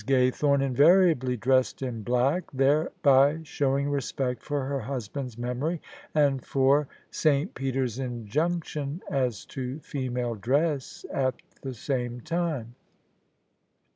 Ga3rthome invariably dressed in black, thereby show ing respect for her husband's memory and for S. Peter's injunction as to female dress, at the same time.